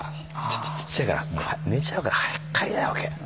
ちょっとちっちゃいから寝ちゃうから早く帰りたいわけ。